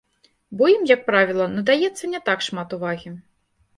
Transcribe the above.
Бо ім, як правіла, надаецца не так шмат увагі.